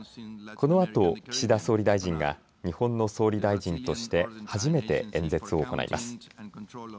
このあと岸田総理大臣が日本の総理大臣として初めて演説を行います。